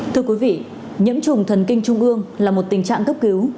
thưa quý vị nhiễm trùng thần kinh trung ương là một tình trạng cấp cứu